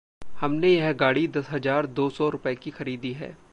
हमने यह गाड़ी दस हज़ार दो सौ रुपए की ख़रीदी है।